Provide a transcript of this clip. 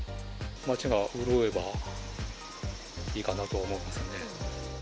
町が潤えばいいかなと思うんですね。